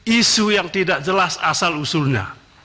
isu yang tidak jelas asal usulnya